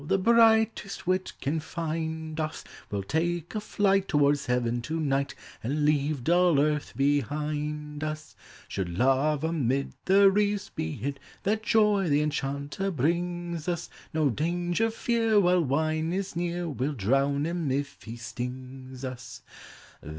The brightest wit can find us; We'll take a flight Towards heaven to night, And leave dull earth behind us! I'OESIS OF FRIESDHUIP. Should Love amid The wreaths he hid That Joy, the enchanter, brings us, No danger fear While wine is near — We '11 drown him if he stings us.